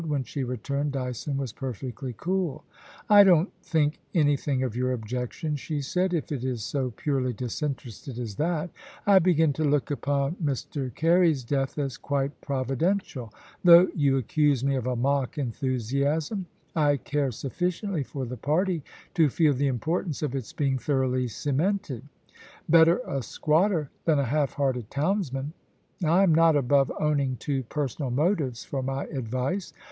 When she returned, Dyson was perfectly cooL * I don't think anything of your objection,' she said, * if it is so purely disinterested as that I begin to look upon 78 POLICY AND PASSION, Mr. Carey's death as quite providential Though you accuse me of a mock enthusiasm, I care sufficiently for the party to feel the importance of its being thoroughly cemented. Better a squatter than a half hearted townsman. I am not above owning to personal motives for my advice.